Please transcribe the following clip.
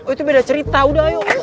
itu beda cerita udah ayo